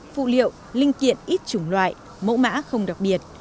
phụ liệu linh kiện ít chủng loại mẫu mã không đặc biệt